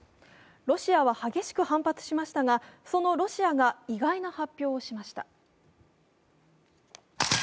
ロシアは激しく反発しましたが、そのロシアが意外な発表をしました。